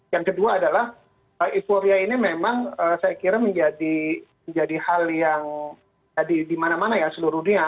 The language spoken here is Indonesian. yang kedua adalah euforia ini memang saya kira menjadi hal yang jadi dimana mana ya seluruh dunia